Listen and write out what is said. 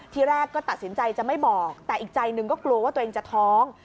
ทีแรกก็ตัดสินใจจะไม่บอกแต่อีกใจหนึ่งก็กลัวว่าตัวเองจะท้อง